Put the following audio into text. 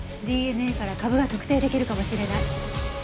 ＤＮＡから株が特定できるかもしれない。